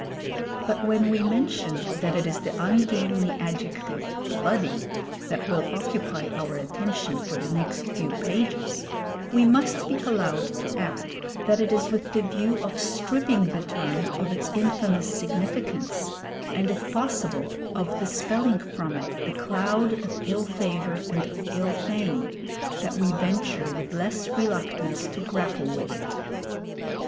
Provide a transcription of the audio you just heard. But when we mention that it is the ungainly adjective "bloody" that will occupy our attention for the next few pages, we must be allowed to add that it is with the view of stripping the term of its infamous significance, and if possible of dispelling from it the cloud of ill favour and of ill fame, that we venture with less reluctance to grapple with it.